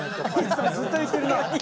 それずっと言ってるな。